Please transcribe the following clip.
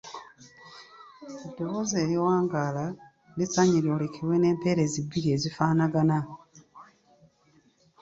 Eddoboozi eriwangaala lisaanye lyolekebwe n’empeerezi bbiri ezifaanagana.